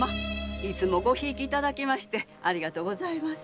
いつもご贔屓いただきましてありがとうございます。